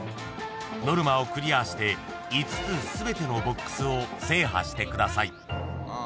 ［ノルマをクリアして５つ全てのＢＯＸを制覇してください］